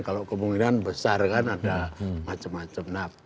kalau kemungkinan besar kan ada macam macam